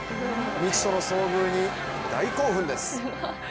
未知との遭遇に大興奮です。